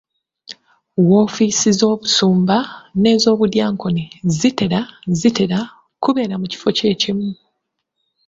Woofiisi z'obusumba n'ez'obudyankoni zitera zitera kubeera mu kifo kye kimu.